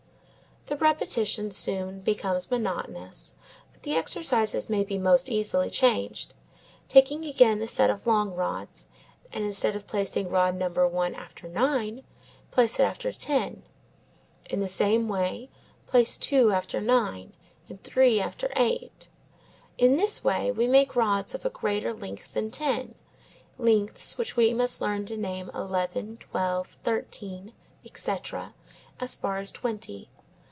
The repetition soon becomes monotonous, but the exercises may be most easily changed, taking again the set of long rods, and instead of placing rod number one after nine, place it after ten. In the same way, place two after nine, and three after eight. In this way we make rods of a greater length than ten; lengths which we must learn to name eleven, twelve, thirteen, etc., as far as twenty.